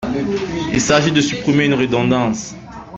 Il s’agit de supprimer une redondance.